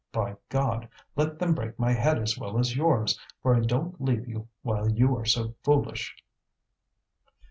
"By God! let them break my head as well as yours, for I don't leave you while you are so foolish!"